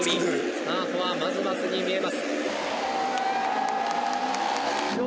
スタートはまずまずに見えます。